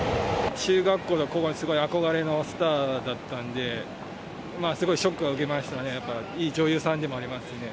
中学校のころにすごい憧れのスターだったんで、すごいショックは受けましたね、やっぱいい女優さんでもありますんで。